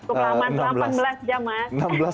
cukup lama itu delapan belas jam mas